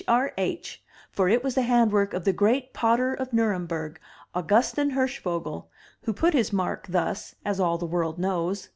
R. H., for it was the handwork of the great potter of Nuremberg, Augustin Hirschvogel, who put his mark thus, as all the world knows.